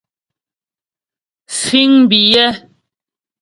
Fíŋ biyɛ́.